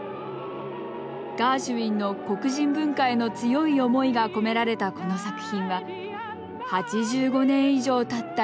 ガーシュウィンの黒人文化への強い思いが込められたこの作品は８５年以上たった